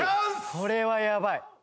これはやばい。